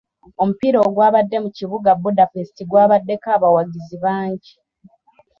Omupiira ogwabadde mu kibuga Budapest gwabaddeko abawagizi bangi.